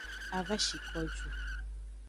A va shi ko ju.